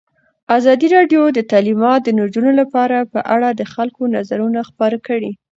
ازادي راډیو د تعلیمات د نجونو لپاره په اړه د خلکو نظرونه خپاره کړي.